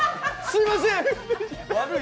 すみません！